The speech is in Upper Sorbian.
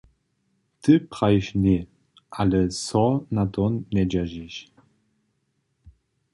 Ty prajiš ně, ale so na to njedźeržiš.